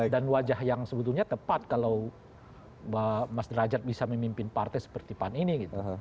dan wajah yang sebetulnya tepat kalau mas derajat bisa memimpin partai seperti pan ini gitu